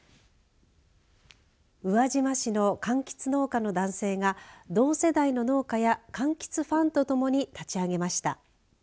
宇和島市のかんきつ農家の男性が同世代の農家やかんきつファンと共に立ち上げました。